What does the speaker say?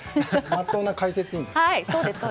まっとうな解説員です。